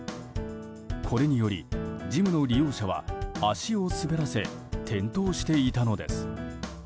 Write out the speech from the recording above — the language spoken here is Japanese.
これによりジムの利用者は足を滑らせ転倒していたのです。